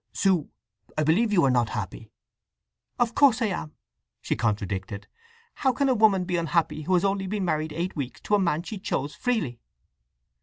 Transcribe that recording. … Sue, I believe you are not happy!" "Of course I am!" she contradicted. "How can a woman be unhappy who has only been married eight weeks to a man she chose freely?"